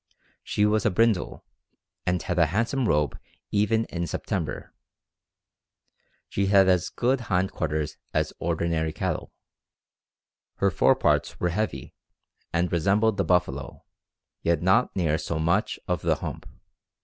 She was a brindle, and had a handsome robe even in September; she had as good hind quarters as ordinary cattle; her foreparts were heavy and resembled the buffalo, yet not near so much of the hump.